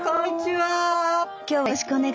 はい。